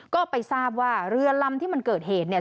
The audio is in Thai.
ก็ไปทราบว่าเรือลำที่มันเกิดเหตุเนี่ย